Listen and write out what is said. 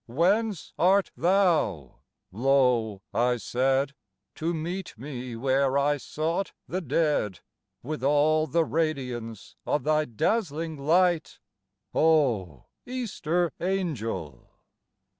"Whence art thou," low I said, " To meet me where I sought the dead, With all the radiance of thy dazzling light, O Easter angel